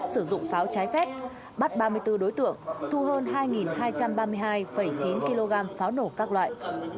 sử dụng pháo trái phép bắt ba mươi bốn đối tượng thu hơn hai hai trăm ba mươi hai chín kg pháo nổ các loại